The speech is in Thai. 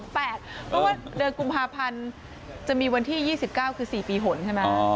เพราะว่าเดือนกุมภาพันธ์จะมีวันที่๒๙คือ๔ปีหนใช่ไหม